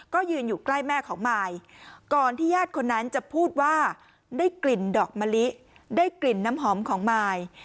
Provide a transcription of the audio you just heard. ก็ยืนอยู่ใกล้แม่ของมายก่อนที่ญาติคนนั้นจะพูดว่าได้กลิ่นดอกมะลิได้กลิ่นน้ำหอมของมาย